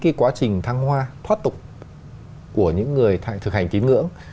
cái quá trình thăng hoa thoát tục của những người thực hành tín ngưỡng